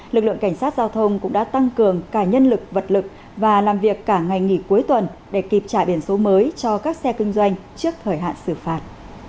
lực lượng cảnh sát giao thông cũng đã tăng cường cả nhân lực vật lực và làm việc cả ngày nghỉ cuối tuần để kịp trả biển số mới cho các xe kinh doanh trước thời hạn xử phạt